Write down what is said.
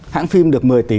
hãng phim được một mươi tỷ